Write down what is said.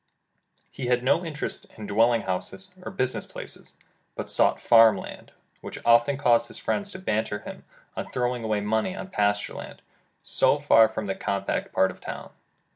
He had no interest in dwelling houses, or business places, but sought farm land, which often caused his friends to banter him on throwing away money on pasture land, so far from the compact part of the town.